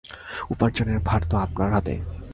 উপার্জনের ভার তো আপনার হাতে।